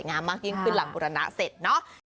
สวยงามมากยิ่งคือหลังอุรณะเสร็จเนอะ